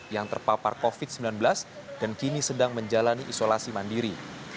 yang terpapar covid sembilan belas dan kini sedang menjalani isolasi mandiri